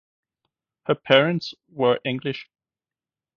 Her parents were English.